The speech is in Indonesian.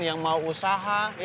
yang mau usaha